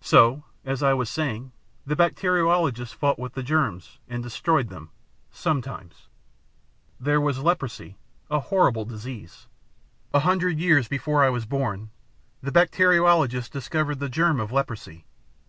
So, as I was saying, the bacteriologists fought with the germs and destroyed them sometimes. There was leprosy, a horrible disease. A hundred years before I was born, the bacteriologists discovered the germ of leprosy.